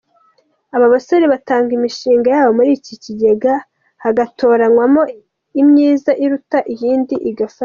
Aba bose batanga imishinga yabo muri iki kigega hagatoranywa imyiza iruta iyindi igafashwa.